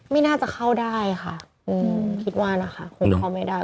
ไม่น่าจะเข้าได้ค่ะคิดว่านะคะคงเข้าไม่ได้